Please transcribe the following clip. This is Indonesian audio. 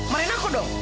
marahin aku dong